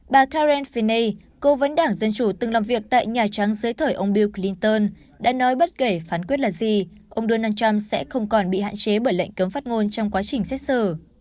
bà karen fine cố vấn đảng dân chủ từng làm việc tại nhà trắng dưới thời ông bew clinton đã nói bất kể phán quyết là gì ông donald trump sẽ không còn bị hạn chế bởi lệnh cấm phát ngôn trong quá trình xét xử